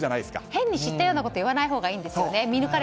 変に知ったようなこと言わないほうがいいんですよね。